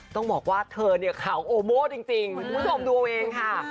ต้องบอกว่าเธอเนี่ยเขาโอโม่จริงคุณผู้ชมดูเอาเองค่ะ